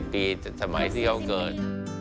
ปีสมัยที่เขาเกิด